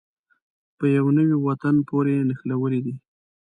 په يوه نوي وطن پورې یې نښلولې دي.